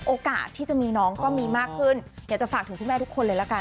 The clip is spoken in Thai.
โอกาสที่จะมีน้องก็มีมากขึ้นอยากจะฝากถึงคุณแม่ทุกคนเลยละกัน